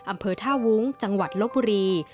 อำเภอท่าวุ้งจังหวัดลบบุรี